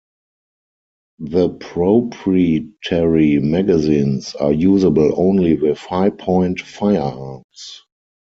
The proprietary magazines are usable only with Hi-Point firearms.